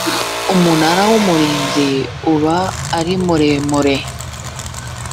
umunara w ‘umurinzi uba arimuremure.